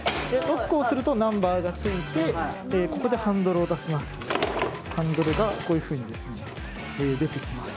ロックをするとナンバーがついてでここでハンドルを出しますハンドルがこういうふうに出てきます